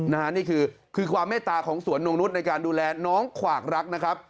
นี่คือความเมตตาของสวนนงนุษย์ในการดูแลน้องขวากรักนะครับ